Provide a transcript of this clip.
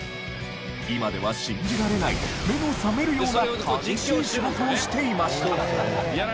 今では信じられない目の覚めるような激しい仕事をしていました。